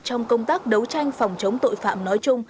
trong công tác đấu tranh phòng chống tội phạm nói chung